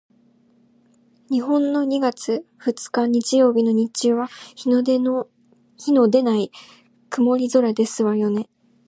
日本の二月二日日曜日の日中は日のでない曇り空ですわよね？